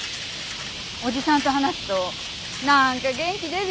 「おじさんと話すとなんか元気出る」